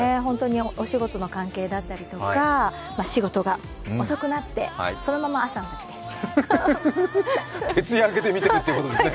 お仕事の関係だったりとか、仕事が遅くなって、そのまま朝を迎えたりとか。